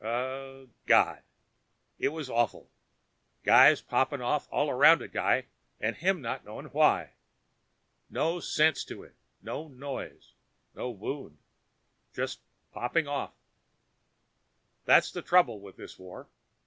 Uhuh. God! It was awful. Guys popping off all around a guy and him not knowing why. No sense to it. No noise. No wound. Just popping off. That's the trouble with this war.